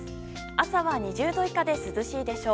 朝は２０度以下で涼しいでしょう。